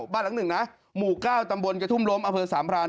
บ้านหลังหนึ่งนะหมู่เก้าตำรบรรยศุมรมอเวิร์นสามพราน